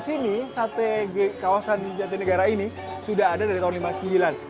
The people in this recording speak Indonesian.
sini sate kawasan jatinegara ini sudah ada dari tahun seribu sembilan ratus lima puluh sembilan